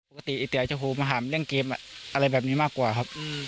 ปกติน้องเตี๋ยจะพูดมาถามเรื่องเกมอะไรแบบนี้มากกว่าครับ